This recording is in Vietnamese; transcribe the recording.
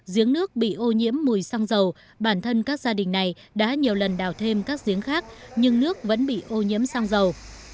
giếng nước bị ô nhiễm mùi xăng dầu bản thân các gia đình này đã nhiều lần đào thêm các giếng khác nhưng nước vẫn bị ô nhiễm sang dầu